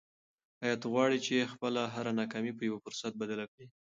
آیا ته غواړې چې خپله هره ناکامي په یو فرصت بدله کړې؟